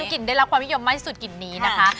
กลิ่นได้รับความนิยมมากที่สุดกลิ่นนี้นะคะ